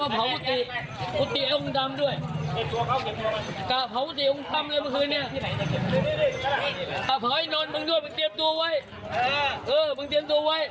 พอแล้วพอแล้วพอแล้ว